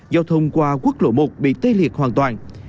giao thông qua quốc lộ một bị tê liệt hoàn toàn